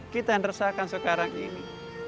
kita yang resahkan sekarang ini